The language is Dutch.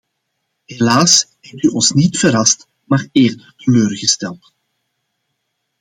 Helaas hebt u ons niet verrast, maar eerder teleurgesteld.